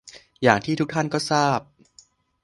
อย่างที่ทุกท่านก็ทราบ